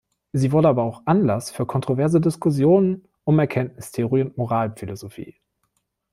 Sie wurde aber auch Anlass für kontroverse Diskussionen um Erkenntnistheorie und Moralphilosophie.